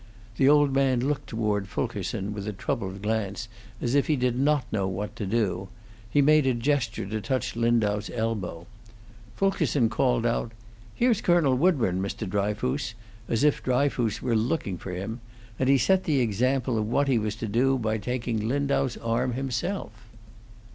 The old man looked toward Fulkerson with a troubled glance, as if he did not know what to do; he made a gesture to touch Lindau's elbow. Fulkerson called out, "Here's Colonel Woodburn, Mr. Dryfoos," as if Dryfoos were looking for him; and he set the example of what he was to do by taking Lindau's arm himself.